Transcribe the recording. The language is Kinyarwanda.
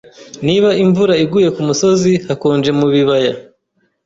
Niba imvura iguye kumusozi, hakonje mubibaya.